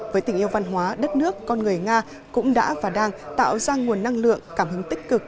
với tình yêu văn hóa đất nước con người nga cũng đã và đang tạo ra nguồn năng lượng cảm hứng tích cực